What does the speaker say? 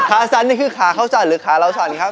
สั่นนี่คือขาเขาสั่นหรือขาเราสั่นครับ